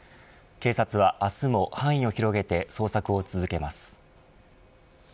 警察はあすも範囲を広げて捜索を続けます